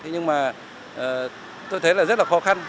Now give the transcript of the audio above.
nhưng mà tôi thấy là rất là khó khăn